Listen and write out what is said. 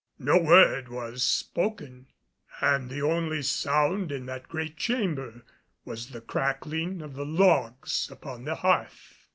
No word was spoken and the only sound in that great chamber was the crackling of the logs upon the hearth.